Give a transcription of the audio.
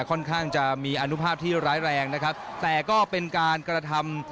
ค่อนข้างจะมีอนุภาพที่ร้ายแรงนะครับแต่ก็เป็นการกระทำ